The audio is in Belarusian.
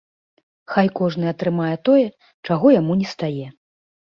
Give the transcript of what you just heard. Хай кожны атрымае тое, чаго яму не стае.